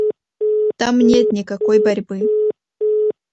Там нет никакой борьбы.